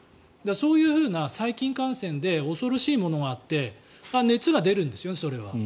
そういうふうな細菌感染で恐ろしいものがあって熱が出るんですね、それは。